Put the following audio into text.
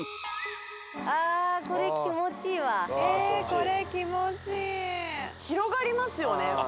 これ気持ちいい広がりますよね